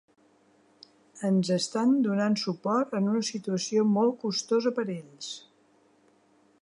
Ens estan donant suport en una situació molt costosa per ells.